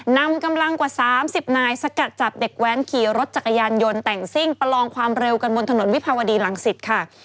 นำกำลังกว่า๓๐นายสกัดจับเด็กแว้นขี่รถจักรยานยนต์แต่งซิ่งประลองความเร็วกันบนถนนวิภาวดีรังสิตค่ะ